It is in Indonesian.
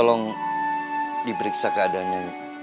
tolong diperiksa keadaannya